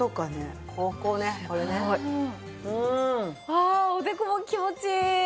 ああおでこも気持ちいい。